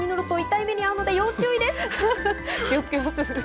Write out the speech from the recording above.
気をつけます。